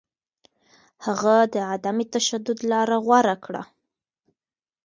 هغه د عدم تشدد تګلاره غوره کړه.